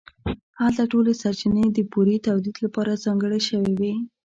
هلته ټولې سرچینې د بورې تولید لپاره ځانګړې شوې وې